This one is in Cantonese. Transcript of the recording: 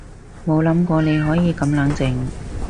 冇諗過你可以咁冷靜